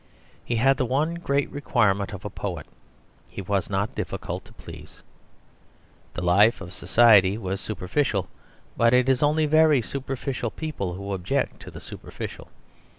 He had the one great requirement of a poet he was not difficult to please. The life of society was superficial, but it is only very superficial people who object to the superficial.